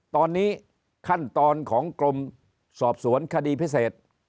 ตอนนี้ขั้นตอนของกรมสอบสวนคดีพิเศษ